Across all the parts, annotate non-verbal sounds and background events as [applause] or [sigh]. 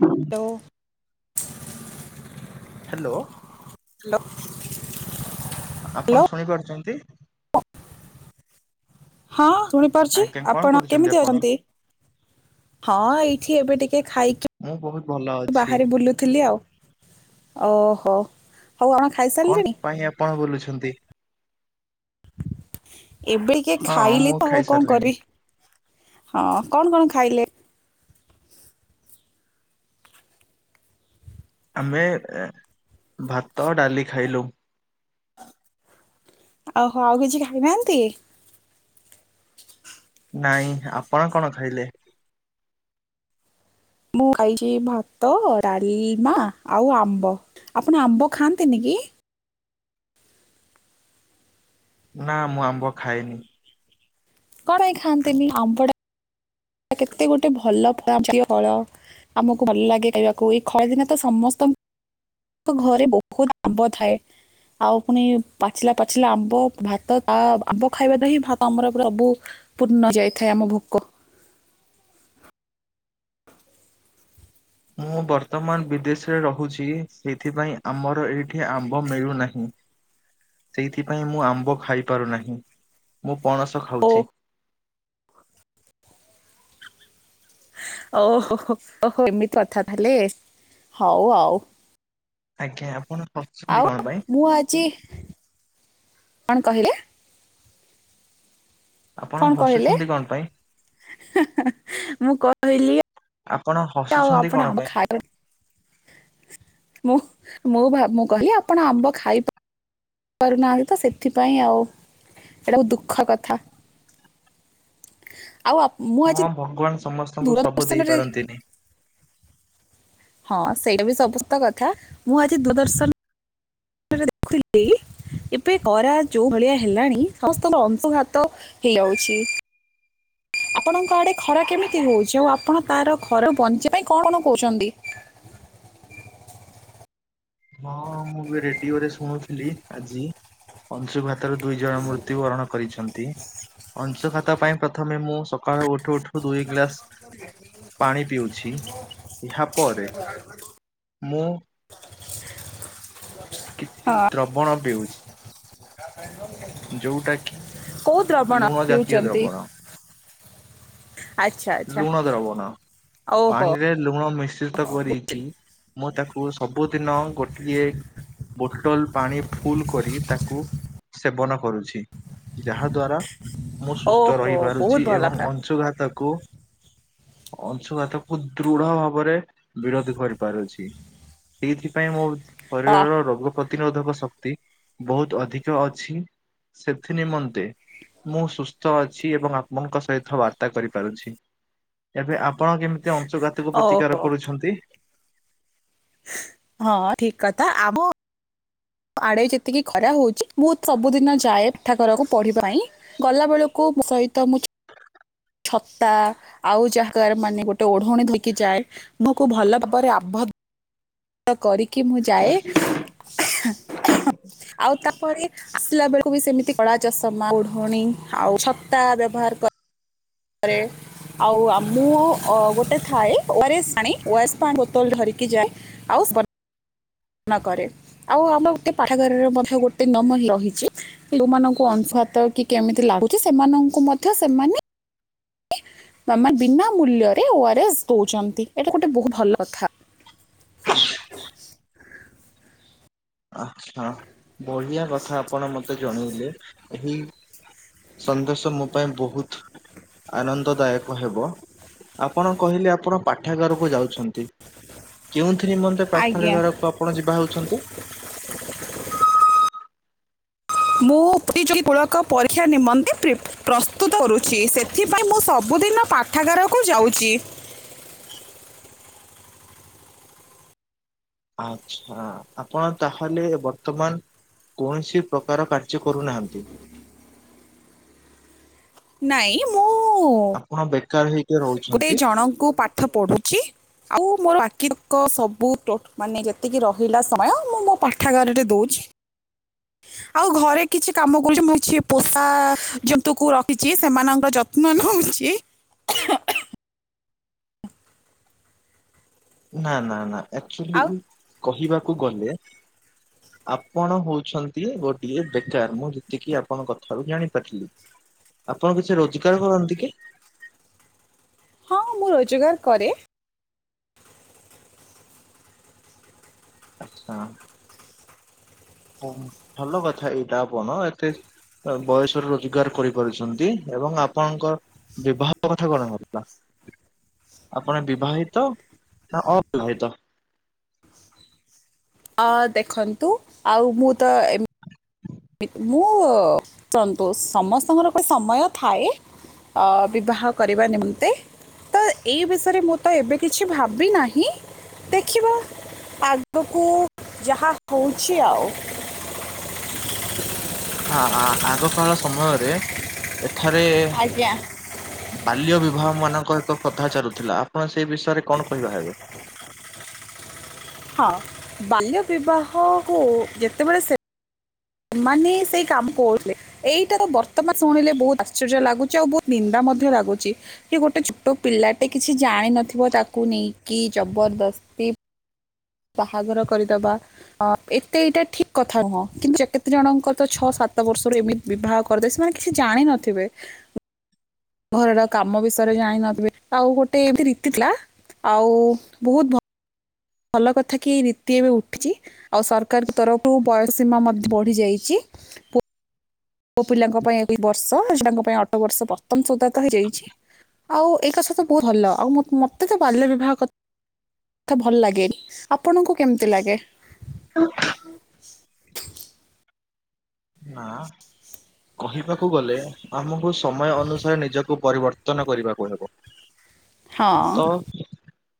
ହୁଁ hello hello. Hello. ଆପଣ ଶୁଣିପାରୁଛନ୍ତି? ହଁ ଶୁଣିପାରୁଛି। ଆଜ୍ଞା କଣ ଆପଣ କରୁଛନ୍ତି କେମିତି ଆପଣ? ଅଛନ୍ତି? ହଁ ଏଇଠି ଏବେ ଟିକେ ଖାଇକି ମୁଁ ବହୁତ ଭଲ ଅଛି। ବାହାରେ ବୁଲୁଥିଲି ଆଉ। ଓହୋ ହଉ ଆଣ ଖାଇ [unintelligible] କଣ ପାଇଁ ଆପଣ ବୁଲୁଛନ୍ତି ଏବେ କିଏ ଖାଇଲି ତ ହଉ କଣ ଖାଇସାରିଲିଣି। କରିବି ହଁ କଣ କଣ ଖାଇଲେ? ଆମେ ଭାତ ଡାଲି ଖାଇଲୁ। ଆଉ ହଁ ଆଉ କିଛି ଖାଇନାହାନ୍ତି। ନାଇଁ ଆପଣ କଣ ଖାଇଲେ? ମୁଁ ଖାଇଛି ଭାତ ଡାଳିମା ଆଉ ଆମ୍ବ। ଆପଣ ଆମ୍ବ ଖାଆନ୍ତିନି କି? ନା ମୁଁ ଆମ୍ବ ଖାଏନି। କଣ ହେଇ ଖାଆନ୍ତିନି ଆମ୍ବଡା। କେତେ ଗୋଟେ ଭଲ ଫମ ଜାତୀୟ ଫଳ ଆମକୁ ଭଲ ଲାଗେ ଖାଇବାକୁ ଏଇ ଖରଦିନେ ତ ସମସ୍ତଙ୍କୁ- ତାଙ୍କ ଘରେ ବହୁତ ଆମ୍ବ ଥାଏ। ଆଉ ପୁଣି ପାଚିଲା ପାଚିଲା ଆମ୍ବ ଭାତ ତା ଆମ୍ବ ଖାଇବା ତ ହିଁ ଭାତ ଆମର ସବୁ- ପୂର୍ଣ୍ଣ ଯାଇଥାଏ ଆମ ଭୋକ। ମୁଁ ବର୍ତ୍ତମାନ ବିଦେଶରେ ରହୁଛି। ସେଇଥିପାଇଁ ଆମର ଏଇଠି ଆମ୍ବ ମିଳୁନାହିଁ। ସେଇଥିପାଇଁ ମୁଁ ଆମ୍ବ ଖାଇପାରୁନାହିଁ ମୁଁ ପଣସ ଓ ଖାଉଛି। ଓହୋ ହୋ ଏମିତି କଥା ତାହଲେ ହଉ ଆଉ। ଆଜ୍ଞା ଆପଣ। ହସୁଛନ୍ତି ଆଉ କଣ ପାଇଁ? ମୁଁ ଆଜି [inaudible] କଣ କହିଲେ ଆପଣ କଣ କହିଲେ ହସୁଛନ୍ତି କଣ ପାଇଁ ମୁଁ କହିଲି ଆପଣ ଆଉ ହସିୁଛନ୍ତି ଆପଣ କଣ ଆମ୍ବ ପାଇଁ? ଖାଇ ମୁଁ ମୁଁ ମୁଁ କହିଲି ଆପଣ ଆମ୍ବ ଖାଇ। କରୁନାହାନ୍ତି ତ ସେଥିପାଇଁ ଆଉ ଏଇଟାକୁ ଦୁଃଖ କଥା ଆଉ ମୁଁ ଆଜି ହଁ ଭଗବାନ ସମସ୍ତଙ୍କୁ ସବୁ ଦେଇ ଦୂରଦର୍ଶନରେ ପାରନ୍ତିନି। ହଁ ସେଇଟା ବି ସମସ୍ତ କଥା ମୁଁ ଆଜି ଦୂରଦର୍ଶନ ଦେଖୁଥିଲି। ଏବେ ଖରା ଯୋଉ ଭଳିଆ ହେଲାଣି ସମସ୍ତଙ୍କ ଅଂଶୁଘାତ ହେଇଯାଉଛି। ଆପଣଙ୍କ ଆଡେ ଖରା କେମିତି ହଉଛି ଆଉ ଆପଣ ତାର ଘରରୁ ବଞ୍ଚିବା ପାଇଁ କଣ କଣ କହୁଛନ୍ତି। ହଓ [unintelligible] [inaudible] ମୁଁ ବି ରେଡ଼ିଓରେ ଶୁଣୁଥିଲି ଆଜି। ଅଂଶୁଘାତର ଦୁଇ ଜଣ ମୃତ୍ୟୁ ବରଣ କରିଛନ୍ତି। ଅଂଶଘାତା ପାଇଁ ପ୍ରଥମେ ମୁଁ ସକାଳୁ ଉଠୁ ଉଠ! [unintelligible] ପିଉଛି। ଏହା ପରେ [inaudible] ମୁଁ କିଛି ହଁ ଦ୍ରବଣ ବିିଉଛି ଯୋଉଟା କି। କୋଉ ଦ୍ରବଣ ଲୁଣ ଯାତିୟ ପିଉଛନ୍ତି ଦ୍ରବଣ ଆଚ୍ଛା ଆଚ୍ଛା ଲୁଣ ଦ୍ରବଣ ନା ଓହୋ ପାଣି ରେ ଲୁଣ ମିଶ୍ରିତ ଓହୋ ବୁଝିଲି କରିକି ମୁଁ ତାକୁ ସବୁଦିନ ଗୋଟିଏ- ବୋଟଲ ପାଣି ଫୁଲ କରି ତାକୁ। ସେବନ କରୁଛି ଯାହା ଦ୍ଵାରା ମୁଁ ସୁସ୍ଥ ଓହୋ ବହୁତ ରହିପାରୁଛି ଭଲ ଏବଂ କଥା ଅଂଶୁଘାତକୁ ଅଂଶୁଘାତକୁ ଦୃଢ ଭାବରେ ବିରୋଧ କରିପାରୁଛି ସେଇଥିପାଇଁ ମୋ ଅ, ଶରୀରର ରୋଗ ପ୍ରତି ପ୍ରତିରୋଧକ ଶକ୍ତି ବହୁତ ଅଧିକ ଅଛି। ସେଥି ନିମନ୍ତେ ମୁଁ ସୁସ୍ଥ ଅଛି ଏବଂ ଆପମଙ୍କ ସହିତ ବାର୍ତ୍ତା କରିପାରୁଛି। ଏବେ ଆପଣ କେମିତି ଅଂଶଘାତକୁ ପ୍ରତିକାର ଓହୋ କରୁଛନ୍ତି। ହଁ ଠିକ କଥା ଆମ- ଆଡେ ଯେତିକି ଖରା ହଉଛି ମୁଁ ସବୁଦିନ ଯାଏ ପିଠା ଘରକୁ ପଢିବା ପାଇଁ। ଗଲା ବେଳକୁ ସହିତ ମୁଁ ସହିତ। ଛତା ଆଉ ଯାହାଗ ମାନେ ଗୋଟେ ଓଢଣୀ ଧରିକି ଯାଏ। ମୁକୁ ଭଲ ଭାବରେ ଆବଦ୍ଧ କରିକି ମୁଁ ଯାଏ ଆଉ ତାପରେ ଆସିଲା ବେଳକୁ ବି ସେମିତି କଳା ଚଷମା ଓଢ଼ଣୀ ଆଉ ଛତା ବ୍ୟବହାର ଘରେ ଆଉ ଆ ମୁଁ ଅ ଗୋଟେ ଥାଏ ଓ ଆର୍ ଏସ ପାଣି ଓ ଆର୍ ଏସ ପାଣି ବୋତଲ ଧରିକି ଯାଏ ଆଉ ସ୍ପ ନକରେ ଆଉ ଆମର ଗୋଟେ ପାଠାଗାରରେ ମଧ୍ୟ ଗୋଟେ ନମନ ରହିଛି ଯୋଉମାନଙ୍କୁ ଅଂଶୁଘାତ କି କେମିତି ଲାଗୁଛି ସେମାନଙ୍କୁ ମଧ୍ୟ ସେମାନେ ବା ବିନା ମୂଲ୍ୟରେ ଓ ଆର୍ ଏସ୍ ଦୋଉଛନ୍ତି ଏଇଟା ଗୋଟେ ବହୁତ ଭଲ କଥା। ହ ଆଛା ବଢିଆ କଥା ଆପଣ ମତେ ଜଣେଇଲେ। ଏହି ସନ୍ଦେଶ ମୋ ପାଇଁ ବହୁତ ଆନନ୍ଦ ଦାୟକ ହେବ। ଆପଣ କହିଲେ ଆପଣ ପାଠାଗାରକୁ ଯାଉଛନ୍ତି। କେଉଁଥି ନିମନ୍ତେ ଆଜ୍ଞା ପ୍ରାର୍ଥନାଗାରକୁ ଆପଣ ଯିବା ହେ? ମୁଁ ପ୍ରତିଯୁକ୍ ମୂଳକ ପରୀକ୍ଷା ନିମନ୍ତେ ପ୍ରିପ ପ୍ରସ୍ତୁତ କରୁଛି ସେଥିପାଇଁ ମୁଁ ସବୁଦିନ ପାଠ ପାଠାଗାରକୁ ଯାଉଛି। ଅଚ୍ଛା ଆପଣ ତାହେଲେ ବର୍ତ୍ତମାନ କୌଣସି ପ୍ରକାର କାର୍ଯ୍ୟ କରୁନାହାନ୍ତି? ନାଇଁ ମୁଁ ଆପଣ ବେକାର୍ ହେଇ ଗୋଟେ ଜଣଙ୍କୁ ପାଠ ପଢୁଚି ଆଉ ମୋର ବାକି ତକ ସବୁ ଟୋ ମାନେ ଯେତିକି ରହିଲା ସମୟ ମୁଁ ମୋ ପାଠାଗାରରେ ଦୋଉଛି। ଆଉ ଘରେ କିଛି କାମ କରୁଚି। ମୁଁ କିଛି ପୋଷା ଜନ୍ତୁକୁ ରଖିଚି ସେମାନଙ୍କର ଯତ୍ନ ନୋଉଛି। ନା ନା ନା ଆକ୍ଚୁଲି ଆଉ କହିବାକୁ ଗଲେ ଆପଣ ହୋଉଚନ୍ତି ଗୋଟିଏ ବେକାର୍ ମୁଁ ଯେତିକି ଆପଣଙ୍କ କଥାରୁୁ ଜାଣିପାରିଲି। ଆପଣ କିଛି ରୋଜଗାର କରନ୍ତି କି? ହଁ ମୁଁ ରୋଜଗାର କରେ। ଆଚ୍ଛା। ହ ଭଲ କଥା ଏଇଟା ଆଉ କଣ ଏତେ ବୟସରେ ରୋଜଗାର କରିପାରୁଚନ୍ତି ଏବଂ ଆପଣଙ୍କ ବିିବାହ କଥା କଣ [unintelligible] ଥିଲା? ଆପଣ ବିବାହିତ ନା ଅବିବାହିତ? ଅ ଦେଖନ୍ତୁ ଆଉ ମୁଁ ତ ଏମ୍ ମୁଁ ଚନ୍ତୁ ସମସ୍ତଙ୍କର ଗୋଟେ ସମୟ ଥାଏ ଅ ବିବାହ କରିବା ନିମନ୍ତେ ତ ଏଇ ବିଷୟରେ ମୁଁ ତ ଏବେ କିଛି ଭାବି ନାହିଁ ଦେଖିବା ଆଗକୁ ଯାହା ହୋଉଚି ଆଉ। ଆ ଆ ଆଗକାଳ ସମୟରେ ଏଠାରେ ଆଜ୍ଞା ବାଲ୍ୟ ବିବାହ ମାନଙ୍କ ଏକ ପ୍ରଥା ଚାଲୁଥିଲା ଆପଣ ସେଇ ବିଷୟରେ କଣ କହିବା ହେବେ? ହଁ ବାଲ୍ୟ ବିବାହ କୁ ଯେତେବେଳେ ସେ ମାନେ ସେଇ କାମ କରୁଥିଲେ ଏଇଟା ତ ବର୍ତ୍ତମାନ ଶୁଣିଲେ ବହୁତ ଆଶ୍ଚର୍ଯ୍ୟ ଲାଗୁଚି ଆଉ ବହୁତ ନିନ୍ଦା ମଧ୍ୟ ଲାଗୁଚି। କି ଗୋଟେ ଛୋଟ ପିଲାଟେ କିଛି ଜାଣିିନଥିବ ତାକୁ ନେଇକି ଜବରଦସ୍ତି ବାହାଘର କରିଦେବା ଅ ଏତେ ଏଇଟା ଠିକ କଥା ନୁହଁ କିନ୍ତୁ କେତେ ଜଣଙ୍କ ତ ଛଅ ସାତ ବର୍ଷରୁ ଏମିତି ବିବାହ କରିଦେବେ ସେମାନେ କିଛି ଜାଣିନଥିବେ। ଘରର କାମ ବିଷୟରେ ଜାଣି ନଥିବେ ଆଉ ଗୋଟେ ଏମତି ରୀତି ଥିଲା ଆଉ ବହୁତ୍ ଭଲ ଭଲ କଥା କି ଏଇ ରୀତି ଏବେ ଉଠିଚି। ଆଉ ସରକାରଙ୍କ ତରଫରୁ ବୟସ ସୀମା ମଧ୍ୟ ବଢି ଯାଇଚି। ମୋ ପିଲାଙ୍କ ପାଇଁ ଦୁଇ ବର୍ଷ ସେଟା ଙ୍କ ପାଇଁ ଅଠର ବର୍ଷ ବର୍ତ୍ତମାନ ସୁଧା ତ ହେଇଯାଇଚି। ଆଉ ଏଇ କଥା ତ ବହୁତ ଭଲ ଆଉ ମ ମତେ ତ ବାଲ୍ୟ ବିବାହ କ ଥା ଭଲ ଲାଗେ ଆପଣଙ୍କୁ କେମିତି ଲାଗେ? ନାଁ। କହିବାକୁ ଗଲେ ଆମୁକୁ ସମୟ ଅନୁସାରେ ନିଜକୁ ପରିବର୍ତ୍ତନ କରିବାକୁ ହେବ। ହଁ। ଓ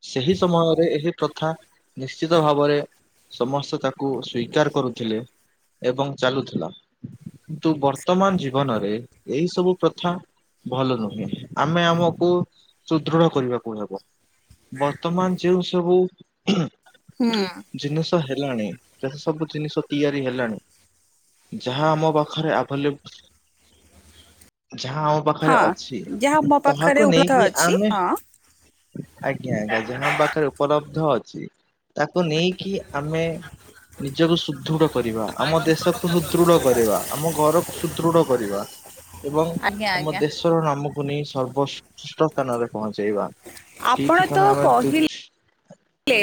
ସେହି ସମୟରେ ଏହି ପ୍ରଥା ନିଶ୍ଚିତ ଭାବରେ ସମସ୍ତେ ତାକୁ ସ୍ବୀକାର କରୁଥିଲେ ଏବଂ ଚାଲୁଥିଲା। କିନ୍ତୁ ବର୍ତ୍ତମାନ ଜୀବନରେ ଏଇ ସବୁ ପ୍ରଥା ଭଲ ନୁହେଁ ଆମେ ଆମକୁ ସୁଦୃଢ କରିବାକୁ ହେବ। ବର୍ତ୍ତମାନ ଯେଉଁ ସବୁ ହୁଁ ହୁଁ। ଜିନିଷ ହେଲାଣି ଯେତେ ସବୁ ଜିନିଷ ତିଆରି ହେଲାଣି ଯାହା ଆମ ପାଖରେ ଆଭେଲେବୁ ଯାହା ଆ ହଁ ପାଖରେ ଅଛି ଯାହା ମୋ ପାଖରେ ତାହାକୁ ଉପଲବ୍ଧ ନେଇକି ଅଛି ଆମେ ହଁ। ଆଜ୍ଞା ଆଜ୍ଞା ଯାହା ଆମ ପାଖରେ ଉପଲବ୍ଧ ଅଛି। ତାକୁ ନେଇକି ଆମେ ନିଜକୁ ସୁଧୃଢ କରିବା ଆମ ଦେଶକୁ ସୁଧୃଢ କରିବା। ଆମ ଘରକୁ ସୁଦୃଢ କରିବା ଏବଂ ଆଜ୍ଞା ଆମ ଆଜ୍ଞା। ଦେଶ [unintelligible] ନାମକୁ ନେଇ ସର୍ବ ଶ୍ରେଶ୍ରେଷ୍ଠ ସ୍ଥାନରେ ପହଞ୍ଚେଇବା ସେଇଥିପାଇଁ ଆମେ ଦି ଲେ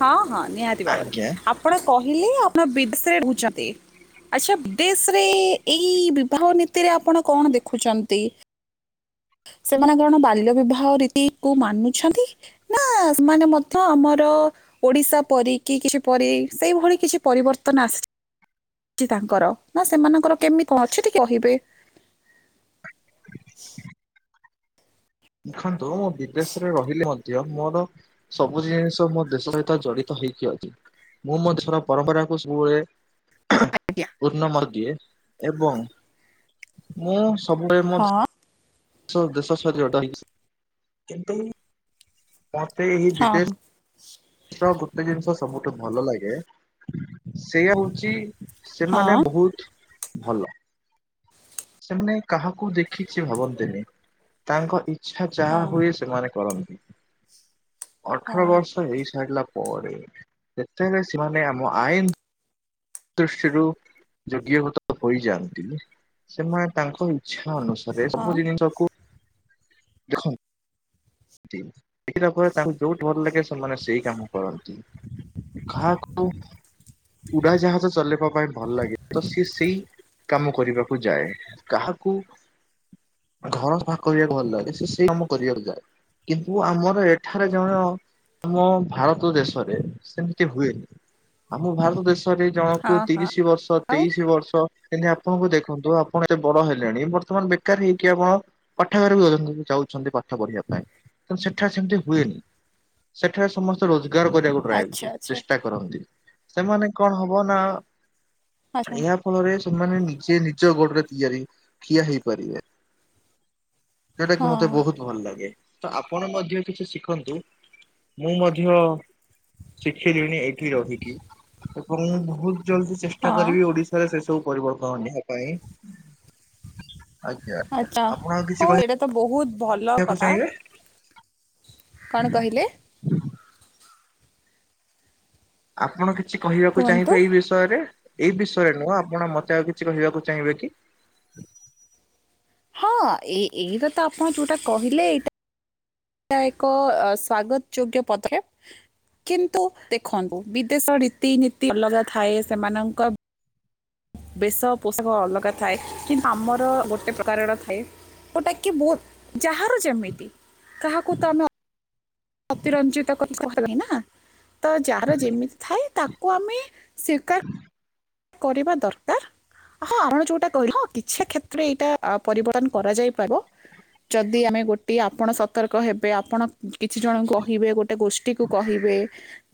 ହଁ ହଁ ନିହାତି ଭାବରେ ଆଜ୍ଞା ଆପଣ କହିଲେ ଆପଣ ବିଦେଶରେ ରହୁଚନ୍ତି। ଆଚ୍ଛା ବିଦେଶରେ ଏଇ ବିବାହ ନୀତିରେ ଆପଣ କଣ ଦେଖୁଚନ୍ତି? ସେମାନେ କଣ ବାଲ୍ୟ ବିବାହ ରୀତି କୁ ମାନୁଛନ୍ତି? ନା ସେମାନେ ମଧ୍ୟ ଆମର ଓଡିଶା ପରି କି କିଛି ପରି ସେଇଭଳି କିଛି ପରିବର୍ତ୍ତନ ଆସି ଚି ତାଙ୍କର ନା ସେମାନଙ୍କର କେମିତି କଣ ଅଛି ଟିକେ କହିବେ? ଦେଖନ୍ତୁ ମୁଁ ବିଦେଶରେ ରହିଲି ମଧ୍ୟ ମୋର ସବୁ ଜିନିଷ ମୋ ଦେଶ ସହିତ ଜଡିତ ହେଇକି ଅଛି। ମୁଁ ମୋ ଦେଶର ପରମ୍ପରା କୁ ସବୁବେଳେ ଆଜ୍ଞା। ଉୂର୍ଣମ ଦିଏ ଏବଂ ମୁଁ ସବୁବେଳେ ମ ହଁ ଦେଶ ଦେଶ ଶରୀର ଟା ହେଇକି କିନ୍ତୁ ମତେ ଏହି ହଁ ବିଦେଶ ସ ଗୋଟେ ଜିନିଷ ସବୁଠୁ ଭଲ ଲାଗେ ସେଇଆ ହଉଚି ସେମାନେ ହଁ ବହୁତ ଭଲ। ସେମାନେ କାହାକୁ ଦେଖିଚି ଭାବନ୍ତିନି ତାଙ୍କ ଇ ଛା ହଁ ଯାହା ହଁ ହୁଏ ସେମାନେ କରନ୍ତି। ଅଠର ହଁ। ବର୍ଷ ହେଇ ସାରିଲା ପରେ ଯେତବେଳେ ସେମାନେ ଆମ ଆଇନ ଦୁଷ୍ଟିରୁ ଯୋଗ୍ୟଭୂତ ହୋଇଯାଆନ୍ତି ସେମାନେ ତାଙ୍କ ଇ ଇଛା ଅନୁସାରେ ହଁ। ସବୁ ଜିନିଷକୁ ଦେଖ ନ୍ତି ଦେଖିଲା ପରେ ତାଙ୍କୁ ଯୋଉଠି ଭଲ ଲାଗେ ସେମାନେ ସେଇ କାମ କରନ୍ତି। କାହାକୁ ଉଡ଼ାଜାହାଜ ଚଲେଇବା ପାଇଁ ଭଲ ଲାଗେ ତ ସିଏ ସେଇ କାମ କରିବାକୁ ଯାଏ କାହାକୁ ଘର ସଫା କରିବାକୁ ଭଲ ଲାଗେ ସେ ସେଇ କାମ କରିବାକୁ ଯାଏ। କିନ୍ତୁ ଆମର ଏଠାରେ ଜଣ ଆମ ଭାରତ ଦେଶରେ ସେମିତି ହୁଏନି ଆମ ଭାରତ ଦେଶ ଷରେ ହଁ ଜଣକୁ ହଁ ତିରିଶ ବର୍ଷ ଆଉ। ତେଇଶି ବର୍ଷ। ଯେମିତି ଆପଣଙ୍କୁ ଦେଖନ୍ତୁ ଆପଣ ଏତେ ବଡ ହେଲେଣି ବର୍ତ୍ତମାନ ବେକାର ହେଇକି ଆପଣ ପାଠାଗାର [unintelligible] ଯାଉଛନ୍ତି ପାଠ ପଢିବା ପାଇଁ। ନ୍ତୁ ସେଠା ସେମିତି ହୁଏନି ସେଠାରେ ସମସ୍ତେ ରୋଜଗାର କରିବାକୁ ଆଚ୍ଛା ଟ୍ରାଏ ଆଚ୍ଛା ଚେଷ୍ଟା କରନ୍ତି ସେମାନେ କଣ ହବ ନା ଆଚ୍ଛା ଏହା ଫଳରେ ସେମାନେ ନିଜେ ନିଜ ଗୋଡରେ ତିଆରି ଠିଆ ହେଇପାରିବେ। ସେଇଟା କି ହଁ ମତେ ବହୁତ ଭଲ ଲାଗେ। ତ ଆପଣ ମଧ୍ୟ କିଛି ଶିଖନ୍ତୁ, ମୁଁ ମଧ୍ୟ ଶିଖିଲିଣି ଏଇଠି ରହିକି ଏବଂ ବହୁତ ଜଲ୍ଦି ଚେଷ୍ଟା ହଁ କରିବି ଓଡିଶାରେ ସେ ସବୁ ପରିବର୍ତ୍ତନ ନିବା ପାଇଁ ଆ ଆ ଆଚ୍ଛା। ଆପଣ ଆଉ କିଛି ହଉ କହିବେ? ଏଇଟା ତ ବହୁତ ଭଲ କଥା କଣ କହିଲେ? [unintelligible] [inaudible] ଆପଣ କିଛି କହିବାକୁ କୁହନ୍ତୁ। ଚାହିଁବେ ଏଇ ବିଷ ବିଷୟରେ ଏଇ ବିଷୟରେ ନୁହଁ ଆପଣ ମତେ ଆଉ କିଛି କହିବାକୁ ଚାହିଁବେ କି? ହଁ ଏ ଏଇରା ତ ଆପଣ ଯୋଉଟା କହିଲେ ଏଇଟା ଏହା ଏକ ସ୍ଵାଗତ ଯୋଗ୍ୟ ପଦେକ୍ଷେପ୍। କିନ୍ତୁ ଦେଖନ୍ତୁ ବିଦେଶ ରୀତି ନୀତି ଅଲଗା ଥାଏ ସେମାନଙ୍କ ବେଶ ପୋଷାକ ଅଲଗା ଥାଏ କିନ୍ତୁ ଆମର ଗୋଟେ ପ୍ରକାରର ଥାଏ। ଯଉଟାକି ବହୁତ ଯାହାର ଯେମିତି କାହାକୁ ତ ଆମେ ଅ ତିରଞ୍ଜିତ କ କହିବେ ନା। ତ ଯାର ଯେମିତି ଥାଏ ତାକୁ ଆମେ କରିବା ଦରକାର। ହଁ ଆମର ଯୋଉଟା କହିଲେ କିଛି କ୍ଷେତ୍ରରେ ଏଇଟା ପରିବର୍ତ୍ତନ କରାଯାଇ ପାରିବ। ଯଦି ଆମେ ଗୋଟିଏ ଆପଣ ସତର୍କ ହେବେ ଆପଣ କିଛି ଜଣ କହିବେ ଗୋଟେ ଗୋଷ୍ଠୀକୁ କହିବେ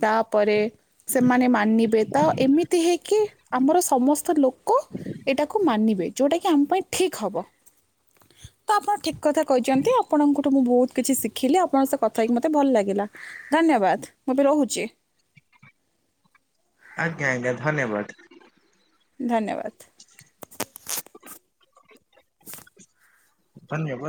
ତାପରେ ସେମାନେ ମାନିବେ ତ ଏମିତି ହେଇକି। ଆମର ସମସ୍ତ ଲୋକ ଏଇଟାକୁ ମାନିବେ ଯେଉଁଟାକି ଆମ ପାଇଁ ଠିକ୍ ହେବ। [unintelligible] [inaudible] ତ ଆପଣ ଠିକ କଥା କହିଛନ୍ତି। ଆପଣଙ୍କଠୁ ମୁଁ ବହୁତ କିଛି ଶିଖିଲି ଆପଣଙ୍କ ସହ କଥା ହେକି ମତେ ଭଲ ଲାଗିଲା। ଧନ୍ୟବାଦ ମୁଁ ଏ ବି ରହୁଛି। ଆଜ୍ଞା ଆଜ୍ଞା ଧନ୍ୟବାଦ। ଧନ୍ୟବାଦ। [unintelligible] [inaudible] ଧନ୍ୟବାଦ।